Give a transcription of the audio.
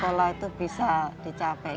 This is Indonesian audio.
sekolah itu bisa dicapainya